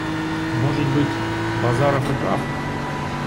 Может быть, Базаров и прав.